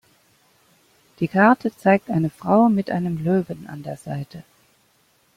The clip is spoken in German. Die Karte zeigt eine Frau mit einem Löwen an der Seite.